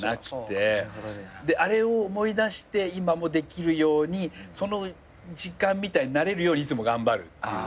あれを思い出して今もできるようにその時間みたいになれるようにいつも頑張るっていうか。